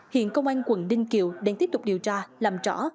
hiện công an quận ninh kiều đang tiếp tục điều tra làm rõ